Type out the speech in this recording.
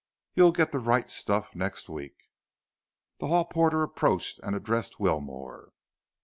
You'll get the right stuff next week." The hall porter approached and addressed Wilmore.